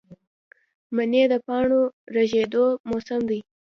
منی د پاڼو ریژیدو موسم دی